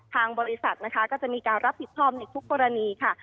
ทางบริษัทนะคะก็จะมีการรับผิดชอบในทุกกรณีค่ะ